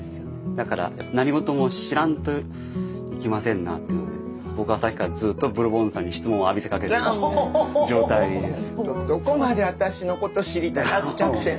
だから何事も知らんといけませんなというので僕はさっきからずっとブルボンヌさんに質問を浴びせかけている状態ですよ。